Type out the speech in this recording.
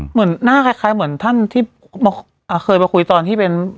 เหมือนหน้าคล้ายเหมือนท่านที่เคยมาคุยตอนที่เป็น